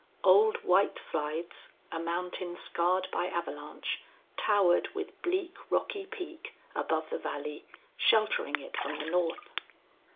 Old White Slides, a mountain scarred by avalanche, towered with bleak rocky peak above the valley, sheltering it from the north.